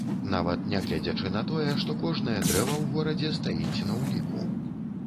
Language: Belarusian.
Нават нягледзячы на тое, што кожнае дрэва ў горадзе стаіць на ўліку.